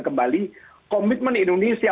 kembali komitmen indonesia